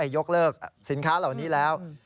ยกเลิกสินค้าเหล่านี้แล้ว